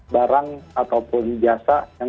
barang ataupun jasa yang